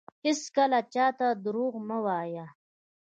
هیڅکله چاته درواغ مه وایه